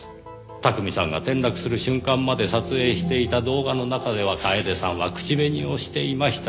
巧さんが転落する瞬間まで撮影していた動画の中では楓さんは口紅をしていました。